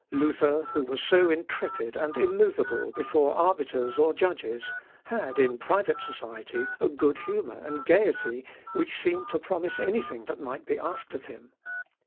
Luther, who was so intrepid and immovable before arbiters or judges, had, in private society, a good humour and gayety which seemed to promise anything that might be asked of him.